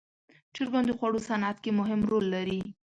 چرګان د خوړو صنعت کې مهم رول لري.